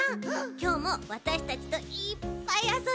きょうもわたしたちといっぱいあそんでち。